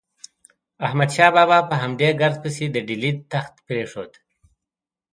احمد شاه بابا په همدې ګرد پسې د ډیلي تخت پرېښود.